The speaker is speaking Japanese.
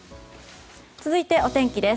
続いて、お天気です。